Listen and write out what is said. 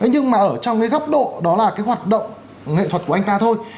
nhưng mà ở trong cái góc độ đó là cái hoạt động nghệ thuật của anh ta thôi